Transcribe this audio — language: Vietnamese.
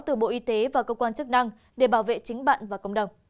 từ bộ y tế và cơ quan chức năng để bảo vệ chính bạn và cộng đồng